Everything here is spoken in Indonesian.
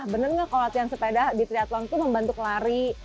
bener nggak kalau latihan sepeda di triathlon itu membantu lari